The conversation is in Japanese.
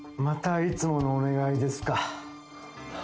またいつものお願いですか。